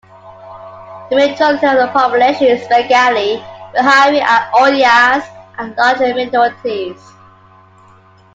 The majority of the population is Bengali; Bihari and Odias are large minorities.